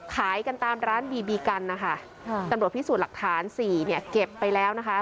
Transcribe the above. ขายกันตามร้านบีบีกันนะคะตำรวจพิสูจน์หลักฐานสี่เนี่ยเก็บไปแล้วนะคะ